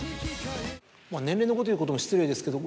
年齢のこと言うことも失礼ですけど。